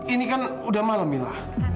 ini kan udah malam inilah